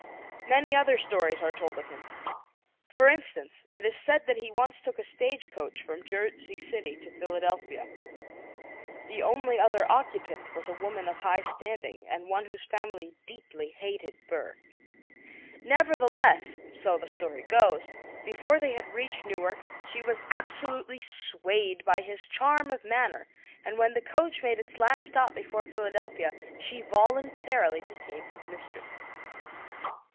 Many other stories are told of him. For instance, it is said that he once took a stage coach from Jersey City to Philadelphia. The only other occupant was a woman of high standing and one whose family deeply hated Aaron Burr. Nevertheless, so the story goes, before they had reached Newark she was absolutely swayed by his charm of manner; and when the coach made its last stop before Philadelphia she voluntarily became his mistress.